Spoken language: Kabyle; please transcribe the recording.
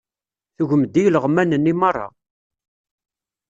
Tugem-d i ileɣman-nni meṛṛa.